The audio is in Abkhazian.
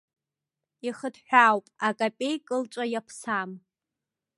Ихыҭҳәаауп, акапеи кылҵәа иаԥсам.